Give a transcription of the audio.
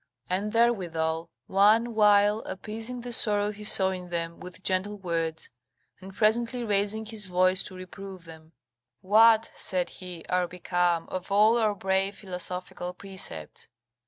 And there withal, one while appeasing the sorrow he saw in them with gentle words, and presently raising his voice to reprove them: "What," said he, "are become of all our brave philosophical precepts?